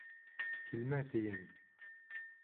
Килмә, тием!